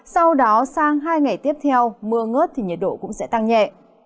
sau đó sang hai ngày tiếp theo mưa ngớt thì nhiệt độ cũng sẽ tăng nhẹ